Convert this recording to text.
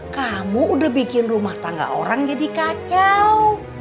kamu udah bikin rumah tangga orang jadi kacau